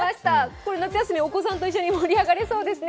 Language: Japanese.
夏休み、お子さんと一緒に盛り上がりそうですね。